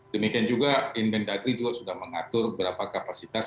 demikian juga indendagri juga sudah mengatur berapa kapasitas